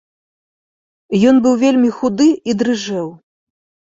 Ён быў вельмі худы і дрыжэў.